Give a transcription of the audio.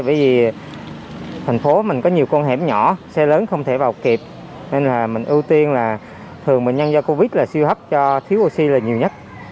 bởi vì thành phố mình có nhiều con hẻm nhỏ xe lớn không thể vào kịp nên là mình ưu tiên là thường bệnh nhân do covid là siêu hấp do thiếu oxy là nhiều nhất